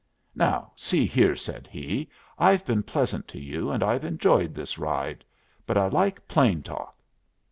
"Now, see here," said he, "I've been pleasant to you and I've enjoyed this ride. But I like plain talk."